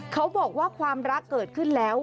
เขาบอกว่าความรักเกิดขึ้นแล้ว